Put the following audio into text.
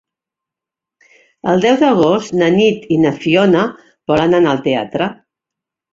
El deu d'agost na Nit i na Fiona volen anar al teatre.